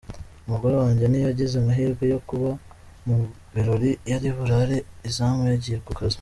Umugore wanjye ntiyagize amahirwe yo kuba mu birori yari burare izamu yagiye ku kazi.